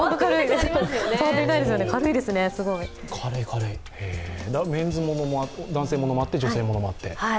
軽いですね、すごい。男性ものもあって、女性ものもあって。